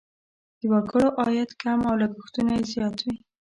د وګړو عاید کم او لګښتونه یې زیات وي.